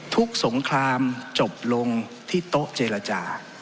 สงครามจบลงที่โต๊ะเจรจา